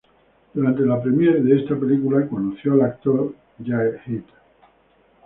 Durante la premiere de esta película conoció al actor Jae Head.